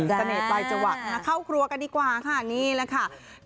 กระเนตปลายจวักมาเข้าครัวกันดีกว่าค่ะนี่แหละค่ะ